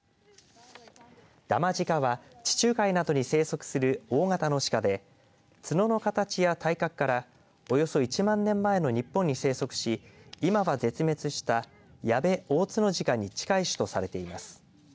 ダマジカは地中海などに生息する大型のシカで角の形や体格からおよそ１万年前の日本に生息し今は絶滅したヤベオオツノジカに近い種とされています。